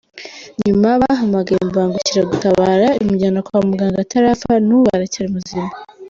Nyuma bahamagaye imbangukiragutabara imujyana kwa muganga atarapfa, n’ubu aracyari muzima.